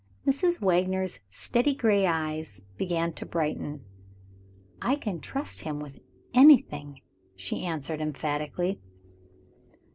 Mrs. Wagner's steady gray eyes began to brighten. "I can trust him with anything," she answered emphatically.